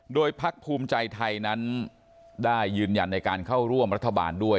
โดยพักภูมิใจไทยนั้นได้ยืนยันในการเข้าร่วมรัฐบาลด้วย